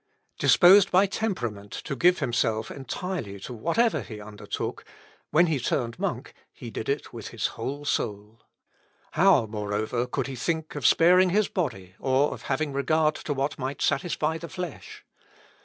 Disposed by temperament to give himself entirely to whatever he undertook, when he turned monk he did it with his whole soul. How, moreover, could he think of sparing his body, or of having regard to what might satisfy the flesh?